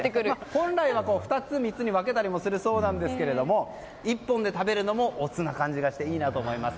本来は２つ、３つに分けたりするそうですが１本で食べるのも乙な感じがしていいなと思います。